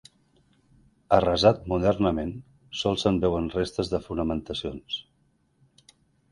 Arrasat modernament, sols se'n veuen restes de fonamentacions.